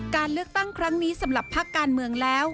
การเลือกตั้งครั้งนี้สำหรับภาคการเมืองแล้ว